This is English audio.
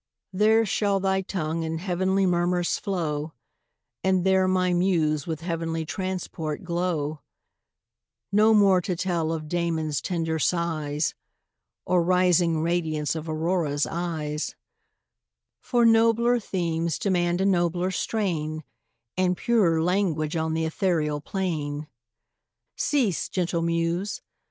There shall thy tongue in heav'nly murmurs flow, And there my muse with heav'nly transport glow: No more to tell of Damon's tender sighs, Or rising radiance of Aurora's eyes, For nobler themes demand a nobler strain, And purer language on th' ethereal plain. Cease, gentle muse!